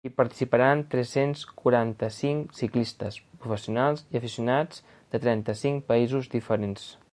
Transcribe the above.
Hi participaran tres-cents quaranta-cinc ciclistes, professionals i aficionats, de trenta-cinc països diferents.